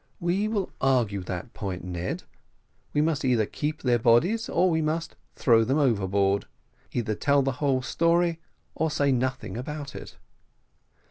"We will argue that point, Ned we must either keep their bodies or we must throw them overboard. Either tell the whole story or say nothing about it."